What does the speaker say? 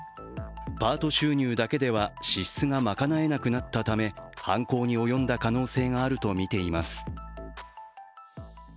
パート収入だけでは支出がまかなえなくなったため犯行に及んだ可能性があるとみています。